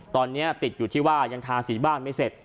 ตอนนี้ติดอยู่ที่ว่ายังทาสีบ้านไม่เสร็จ